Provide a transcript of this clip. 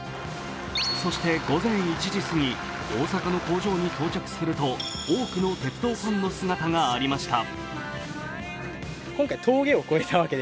そして午前１時すぎ、大阪の工場に到着すると多くの鉄道ファンの姿がありました。